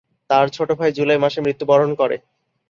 তার ছোট ভাই জুলাই মাসে মৃত্যুবরণ করে।